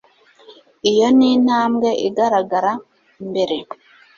Iyo ni intambwe igaragara imbere